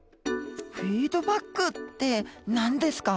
フィードバックって何ですか？